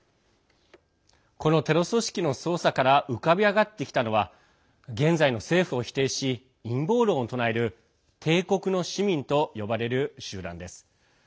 このテロ組織の捜査から浮かび上がってきたのは現在の政府を否定し陰謀論を唱える帝国の市民と呼ばれる集団です。